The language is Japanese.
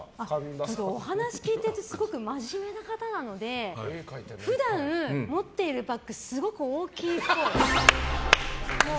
お話聞いててすごく真面目な方なので普段、持っているバッグすごく大きいっぽい。